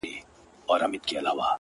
که دې د سترگو له سکروټو نه فناه واخلمه،